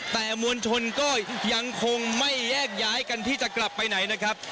แต่มวลชนก็ยังคงไม่แยกย้ายกันที่จะกลับไปไหนนะครับ